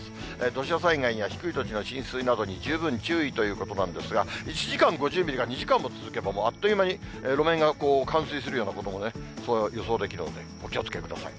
土砂災害や低い土地の浸水などに十分注意ということなんですが、１時間５０ミリが２時間も続けばもう、あっという間に路面が冠水するようなこともね、予想できるので、お気をつけください。